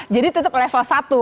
jadi tetap level satu